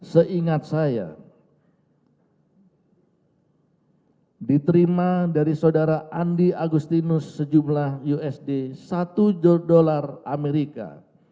seingat saya diterima dari saudara andi agustinus sejumlah usd satu juta dolar amerika